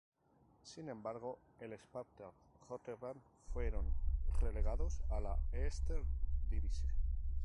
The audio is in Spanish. Sin embargo, el Sparta Rotterdam fueron relegados a la Eerste Divisie.